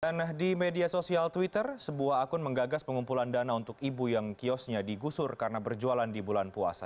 dan di media sosial twitter sebuah akun menggagas pengumpulan dana untuk ibu yang kiosnya digusur karena berjualan di bulan puasa